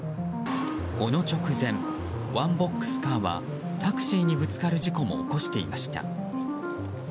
この直前、ワンボックスカーはタクシーにぶつかる事故も起こしていました。